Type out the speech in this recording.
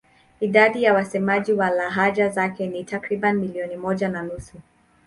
Idadi ya wasemaji wa lahaja zake ni takriban milioni moja na nusu.